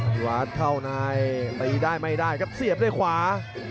อภิวัฒน์เข้านายตีได้ไม่ได้ครับเสียบด้วยขวา